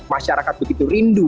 masyarakat begitu rindu